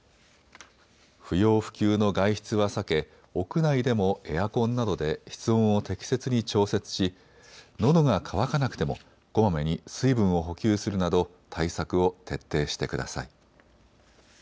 不要不急の外出は避け屋内でもエアコンなどで室温を適切に調節し、のどが渇かなくてもこまめに水分を補給するなど対策を徹底してください。